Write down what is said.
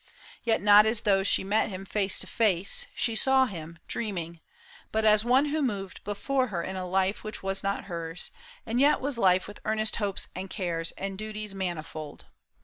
Yet not as though she met him face to face, She saw him, dreaming ; but as one who moved Before her in a life which was not hers, And yet was life with earnest hopes and cares xA.nd duties manifold.